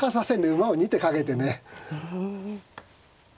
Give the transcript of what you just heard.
馬を２手かけてね。